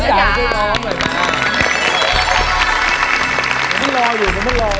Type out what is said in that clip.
ดีกว่ามันรออยู่